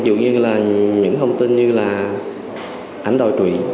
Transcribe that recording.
dù như là những thông tin như là ảnh đòi trụy